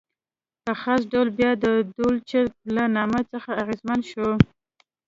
په خاص ډول بیا د دولچ له نامه څخه اغېزمن شو.